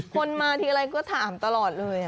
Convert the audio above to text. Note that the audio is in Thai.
คนมาทีไรก็ถามตลอดเลย